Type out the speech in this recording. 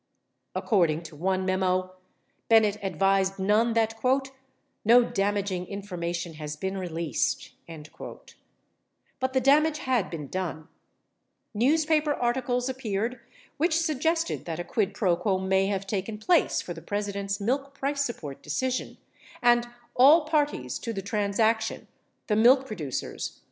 49 According to one memo, Bennett advised Nunn that: "No damaging information has been released." 50 But the damage had been done. Newspaper articles appeared which suggested that a quid pro quo may have taken place for the President's milk price support decision, and all parties to the transaction — the 44 See Strachan exhibit 3, 16 Hearings 7478 82.